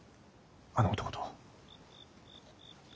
あの男と。